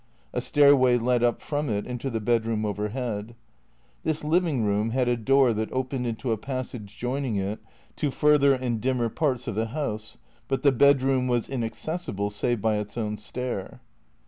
A stairway led up from it into the bedroom overhead. This living room had a door that opened into a passage joining it to further and dimmer parts of the house ; but the bedroom was inaccessible save by its own stair.